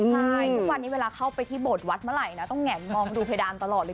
ใช่ทุกวันนี้เวลาเข้าไปที่โบสถวัดเมื่อไหร่นะต้องแห่นมองดูเพดานตลอดเลย